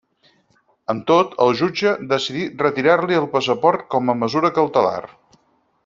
Amb tot, el jutge decidí retirar-li el passaport com a mesura cautelar.